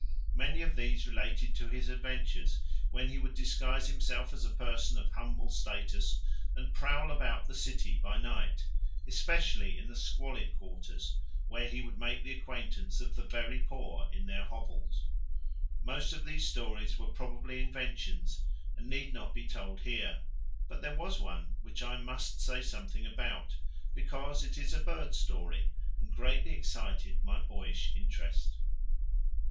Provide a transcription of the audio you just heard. Many of these related to his adventures when he would disguise himself as a person of humble status and prowl about the city by night, especially in the squalid quarters, where he would make the acquaintance of the very poor in their hovels. Most of these stories were probably inventions and need not be told here; but there was one which I must say something about because it is a bird story and greatly excited my boyish interest.